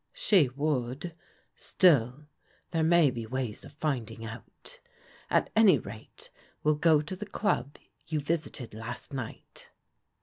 " She would. Still there may be ways of finding out. At any rate we'll go to the dub you visited last night."